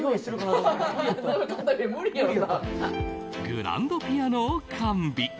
グランドピアノを完備。